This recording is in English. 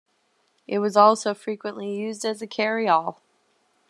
It was also frequently used as a carry-all.